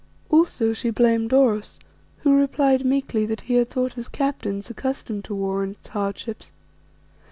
Also she blamed Oros, who replied meekly that he had thought us captains accustomed to war and its hardships.